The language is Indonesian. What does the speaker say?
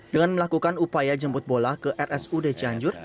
dengan melakukan upaya jemput bola ke rsud cianjur